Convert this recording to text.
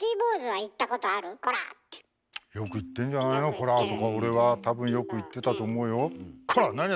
よく言ってんじゃないの「コラ！」とか俺は多分よく言ってたと思うよ。